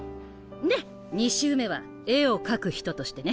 で２周目は絵を描く人としてね。